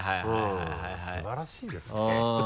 うん素晴らしいですね。